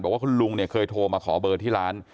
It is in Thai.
ว่าคุณลุงเนี่ยเคยโทรมาขอเบอร์ที่ร้าน